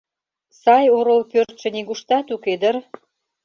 Сай орол пӧртшӧ нигуштат уке дыр.